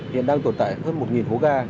hiện đang tồn tại hơn một hố ga